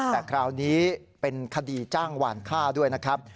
แต่คราวนี้เป็นคดีจ้างหวานฆ่าด้วยนะครับ